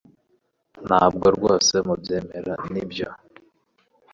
Ntabwo rwose mubyemera, nibyo?